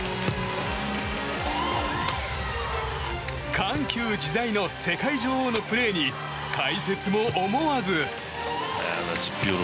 緩急自在の世界女王のプレーに解説も思わず。